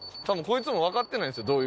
多分こいつもわかってないですよ